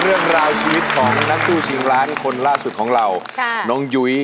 เรื่องราวชีวิตของนักสู้ชิงล้านคนล่าสุดของเราค่ะน้องยุ้ย